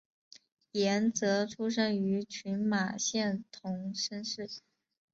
岩泽出生于群马县桐生市。